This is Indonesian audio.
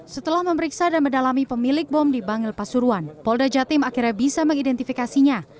setelah memeriksa dan mendalami pemilik bom di bangil pasuruan polda jatim akhirnya bisa mengidentifikasinya